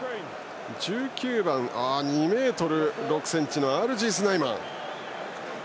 １９番、２ｍ６ｃｍのスナイマン。